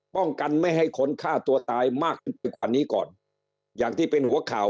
ป้องกันไม่ให้คนฆ่าตัวตายมากกว่านี้ก่อน